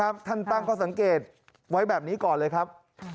ท่านตั้งข้อสังเกตไว้แบบนี้ก่อนเลยครับ